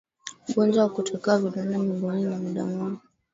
Ugonjwa wa kutokewa vidonda miguuni na mdomoni